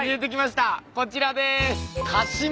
こちらです。